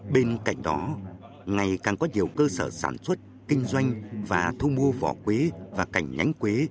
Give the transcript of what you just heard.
bên cạnh đó ngày càng có nhiều cơ sở sản xuất kinh doanh và thu mua vỏ quý và cảnh nhánh quý